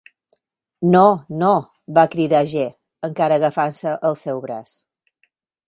"No, no", va cridar G., encara agafant-se al seu braç.